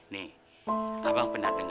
nih abang pernah denger